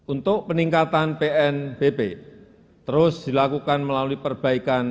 untuk peningkatan pnbp terus dilakukan melalui perbaikan